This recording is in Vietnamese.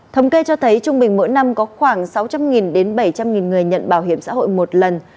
thống kê cho thấy trung bình mỗi năm có khoảng sáu trăm linh đến bảy trăm linh người nhận bảo hiểm xã hội một lần